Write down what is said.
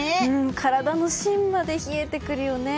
体の芯まで冷えてくるよね。